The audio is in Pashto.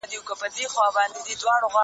ته کله ورزش کوې؟